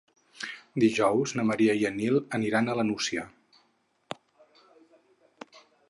Dijous na Maria i en Nil aniran a la Nucia.